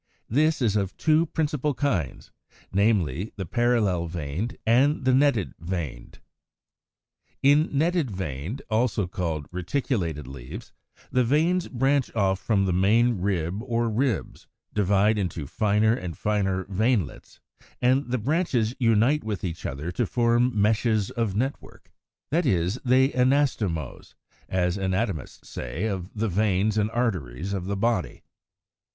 This is of two principal kinds; namely, the parallel veined, and the netted veined. 127. In Netted veined (also called Reticulated) leaves, the veins branch off from the main rib or ribs, divide into finer and finer veinlets, and the branches unite with each other to form meshes of network. That is, they anastomose, as anatomists say of the veins and arteries of the body.